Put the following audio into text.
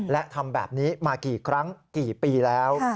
และทำแบบนี้มากี่ครั้งกี่ปีแล้ว